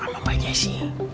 apa apa aja sih